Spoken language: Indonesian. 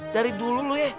dari dulu lu ya